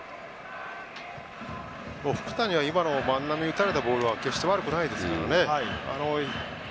福谷は万波に打たれたボールは決して悪くないですからね。